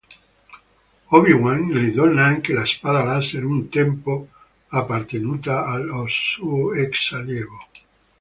Obi-Wan gli dona anche la spada laser un tempo appartenuta al suo ex-allievo.